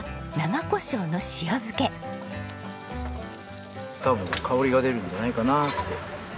こちらは多分香りが出るんじゃないかなって。